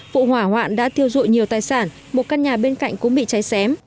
vụ hỏa hoạn đã thiêu dụi nhiều tài sản một căn nhà bên cạnh cũng bị cháy xém